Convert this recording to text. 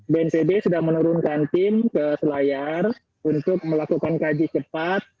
bnpb sudah menurunkan tim ke selayar untuk melakukan kaji cepat